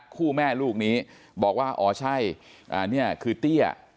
คู่แม่ลูกนี้บอกว่าอ๋อใช่นี่คือเตี้ย